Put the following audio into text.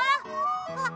あっ！